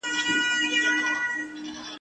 ملنګه ! د رباب ژړي د کله ﺯړه را کنې !.